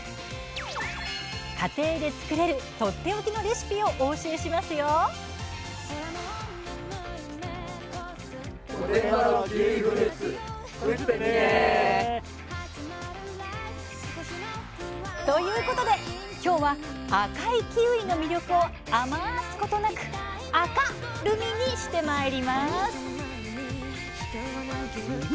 家庭で作れるとっておきのレシピをお教えしますよ。ということで今日は赤いキウイの魅力をあますことなく「あかっ！」るみにしてまいります。